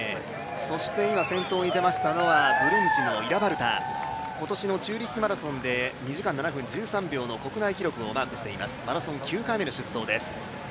そして先頭に出ましたのはブルンジのイラバルタ、今年のチューリッヒマラソンで２時間７分１３秒の国内記録をマークしていますマラソン９回目の出場です。